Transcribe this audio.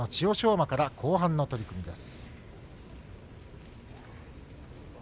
馬から後半の取組です。